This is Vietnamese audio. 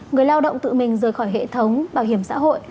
người lao động tự mình rời khỏi hệ thống bảo hiểm xã hội